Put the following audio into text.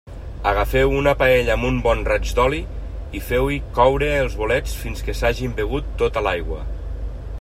Agafeu una paella amb un bon raig d'oli i feu-hi coure els bolets fins que s'hagin begut tota l'aigua.